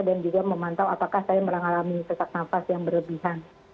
juga memantau apakah saya mengalami sesak nafas yang berlebihan